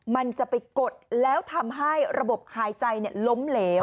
มันจะไปกดแล้วทำให้ระบบหายใจล้มเหลว